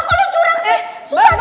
kok lo curang sih